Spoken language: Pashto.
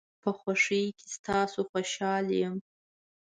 په خوشۍ کې ستاسو خوشحال یم.